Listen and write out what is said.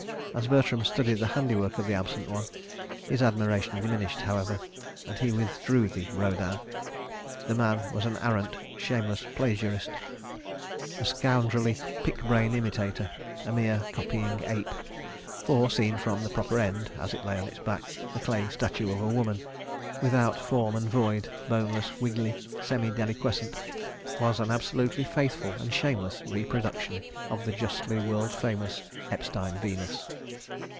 ... As Bertram studied the handiwork of the absent one, his admiration diminished, however, and he withdrew the "Rodin." The man was an arrant, shameless plagiarist, a scoundrelly pick brain imitator, a mere copying ape, for, seen from the proper end, as it lay on its back, the clay statue of a woman, without form and void, boneless, wiggly, semi deliquescent, was an absolutely faithful and shameless reproduction of the justly world famous Eppstein Venus.